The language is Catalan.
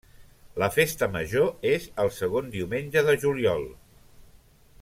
La festa major és el segon diumenge de juliol.